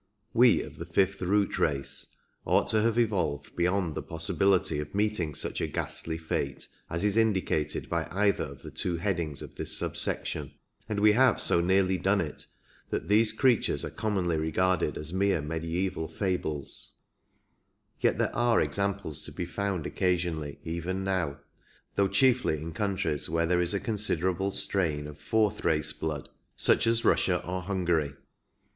We of the fifth root race ought to have evolved beyond the possibility of meeting such a ghastly fate as is indicated by either of the two headings of this sub section, and we have so nearly done it that these creatures are commonly regarded as mere mediaeval fables ; yet there are examples to be found occasionally even now, though chiefly in countries where there is a considerable strain of fourth race blood, such as Russia or Hungary.